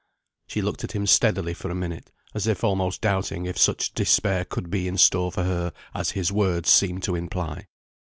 She looked at him steadily for a minute, as if almost doubting if such despair could be in store for her as his words seemed to imply.